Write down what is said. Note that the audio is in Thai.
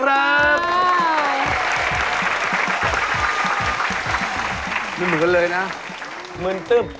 อ้าวนะครับ